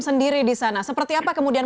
sendiri di sana seperti apa kemudian